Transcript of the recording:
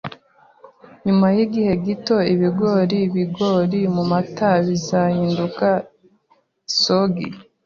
Nyuma yigihe gito, ibigori byibigori mumata bizahinduka isogi